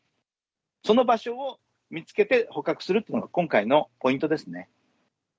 その場所を見つけて捕獲するというのが今回のポイントですね。